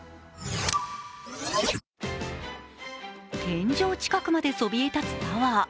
天井近くまでそびえ立つタワー。